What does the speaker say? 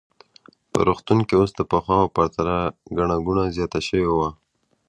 په روغتون کې اوس د پخوا په پرتله ګڼه ګوڼه زیاته شوې وه.